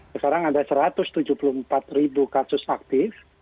sekarang ada satu ratus tujuh puluh empat ribu kasus aktif